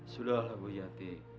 sudahlah bu yati